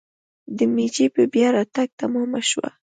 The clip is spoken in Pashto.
د میجي په بیا راتګ تمامه شوه.